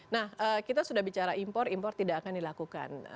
nah kita sudah bicara impor impor tidak akan dilakukan